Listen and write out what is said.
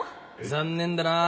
残念だな。